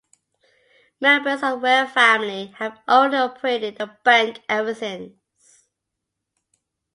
Members of the Ware family have owned and operated the bank ever since.